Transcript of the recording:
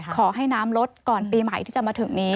ขอให้น้ำลดก่อนปีใหม่ที่จะมาถึงนี้